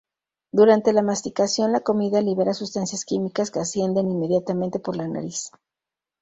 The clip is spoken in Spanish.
Durante la masticación, la comida libera sustancias químicas que ascienden inmediatamente por la nariz.